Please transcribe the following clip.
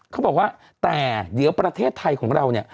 เขาบอกว่าแต่เดี๋ยวประเทศไทยของเราเนี่ย